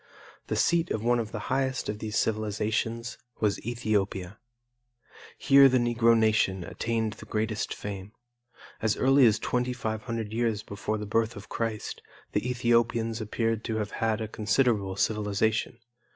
The seat of one of the highest of these civilizations was Ethiopia. Here the Negro nation attained the greatest fame. As early as 2,500 years before the birth of Christ the Ethiopians appeared to have had a considerable civilization.